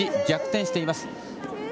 逆転しています。